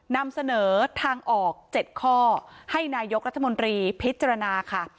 นำเสนอทางออก๗ข้อให้นายกรัฐมนตรีพิจารณาค่ะ